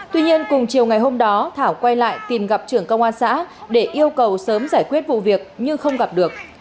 tuy nhiên cùng chiều ngày hôm đó thảo quay lại tìm gặp trưởng công an xã để yêu cầu sớm giải quyết vụ việc nhưng không gặp được